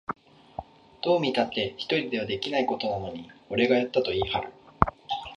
どう見たって一人ではできないことなのに、俺がやったと言いはる